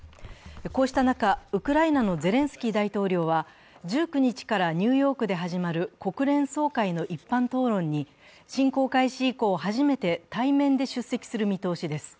こうした中、ウクライナのゼレンスキー大統領は１９日からニューヨークで始まる国連総会の一般討論に侵攻開始以降初めて対面で出席する見通しです。